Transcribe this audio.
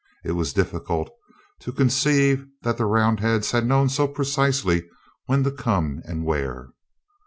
It was difficult to conceive that the Roundheads had known so precisely when to come and where.